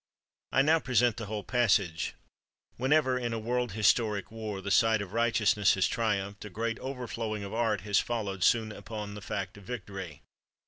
I now print the whole passage: Whenever in a world historic war the side of righteousness has triumphed, a great overflowing of art has followed soon upon the fact of victory.